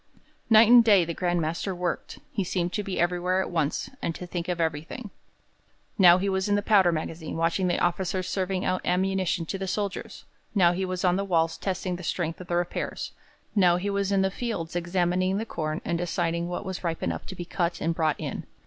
Night and day the Grand Master worked; he seemed to be everywhere at once, and to think of everything. Now he was in the powder magazine watching the officers serving out ammunition to the soldiers; now he was on the walls testing the strength of the repairs; now he was in the fields examining the corn and deciding what was ripe enough to be cut and brought in.